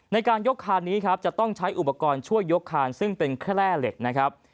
ในการยกคานนี้ครับจะต้องใช้อุปกรณ์ช่วยยกคานซึ่งเป็นแคล่เหล็กนะครับ